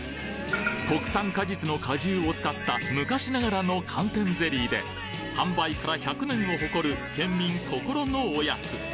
国産果実の果汁を使った昔ながらの寒天ゼリーで販売から１００年を誇るケンミン心のおやつ！